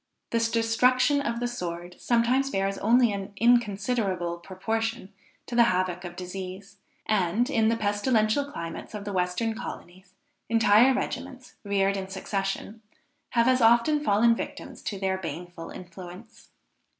The destruction of the sword sometimes bears only an inconsiderable proportion to the havoc of disease, and, in the pestilential climates of the western colonies, entire regiments, reared in succession, have as often fallen victims to their baneful influence.